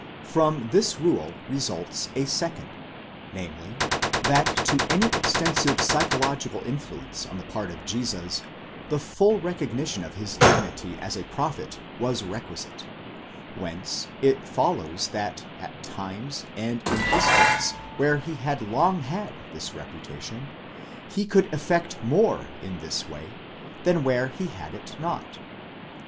From this rule results a second : namely, that to any extensive psychological influence on the part of Jesus the full recognition of his dignity as a prophet was requisite ; whence it follows that at times and in districts where he had long had that reputation, he could effect more in this way than where he had it not.